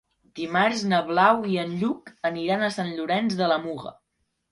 Dimarts na Blau i en Lluc aniran a Sant Llorenç de la Muga.